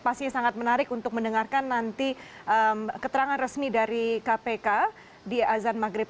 pasti sangat menarik untuk mendengarkan nanti keterangan resmi dari kpk di azan maghrib